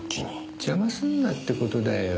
邪魔すんなって事だよ。